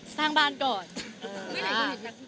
สร้างบ้านก่อน